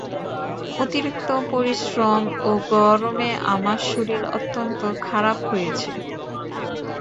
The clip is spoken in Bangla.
অতিরিক্ত পরিশ্রমে ও গরমে আমার শরীর অত্যন্ত খারাপ হয়েছে।